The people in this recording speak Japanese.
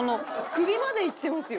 首までいってますよ。